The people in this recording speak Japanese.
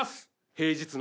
平日の？